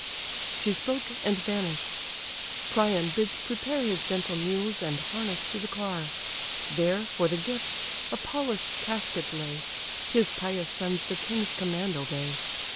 She spoke, and vanish'd. Priam bids prepare His gentle mules and harness to the car; There, for the gifts, a polish'd casket lay: His pious sons the king's command obey.